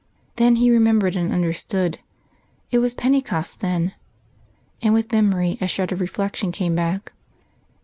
_" Then he remembered and understood.... It was Pentecost then! And with memory a shred of reflection came back.